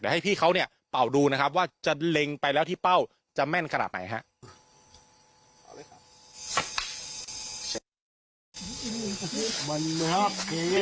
ให้พี่เขาเนี่ยเป่าดูนะครับว่าจะเล็งไปแล้วที่เป้าจะแม่นขนาดไหนครับ